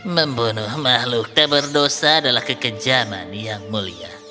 membunuh makhluk dan berdosa adalah kekejaman yang mulia